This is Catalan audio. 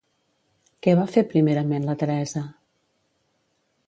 Què va fer primerament la Teresa?